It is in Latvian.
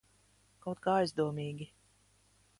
Kaut kā aizdomīgi.